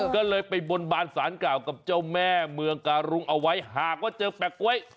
ก็เลยไปบนบานสารกล่าวกับเจ้าแม่เมืองการุงเอาไว้หากว่าเจอแปะก๊วย